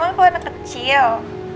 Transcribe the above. emang aku anak kecil